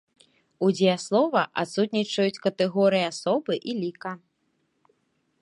У дзеяслова адсутнічаюць катэгорыі асобы і ліка.